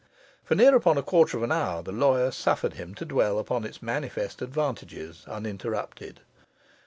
For near upon a quarter of an hour the lawyer suffered him to dwell upon its manifest advantages uninterrupted.